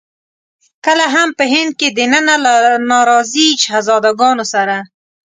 کله هم په هند کې دننه له ناراضي شهزاده ګانو سره.